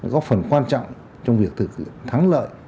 góp phần quan trọng trong việc thực hiện thắng lợi